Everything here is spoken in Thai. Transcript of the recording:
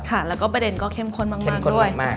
ค่ะแล้วก็ประเด็นก็เข้มข้นมากด้วย